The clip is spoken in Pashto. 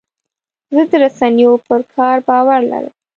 زه د رسنیو پر کار باور لرم.